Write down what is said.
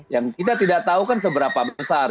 yang kita tidak tahu kan seberapa besar